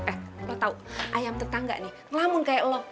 eh lo tau ayam tetangga nih lamun kayak lo